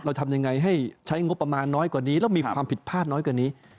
ทำยังไงให้ใช้งบประมาณน้อยกว่านี้แล้วมีความผิดพลาดน้อยกว่านี้